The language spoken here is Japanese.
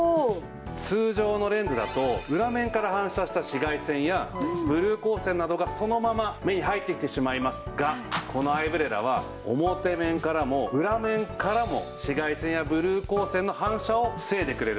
通常のレンズだと裏面から反射した紫外線やブルー光線などがそのまま目に入ってきてしまいますがこのアイブレラは表面からも裏面からも紫外線やブルー光線の反射を防いでくれるんです。